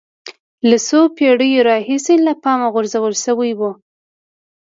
له څو پېړیو راهیسې له پامه غورځول شوی و